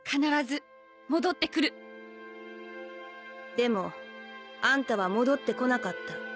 でもあんたは戻ってこなかった。